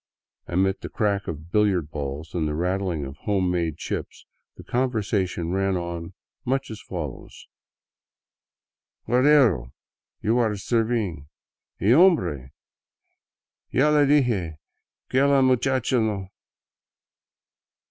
Amid the crack of billiard balls and the rattHng of home made chips the conversation ran on much as follows :" Cordero, you are serveeng. Y hombre, ya le dije que la much acha no